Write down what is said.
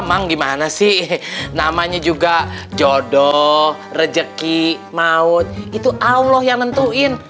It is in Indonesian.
yaa mang gimana sih namanya juga jodoh rejeki maut itu allah yang nentuin